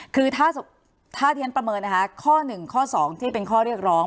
คือถ้าที่ฉันประเมินนะคะข้อ๑ข้อ๒ที่เป็นข้อเรียกร้อง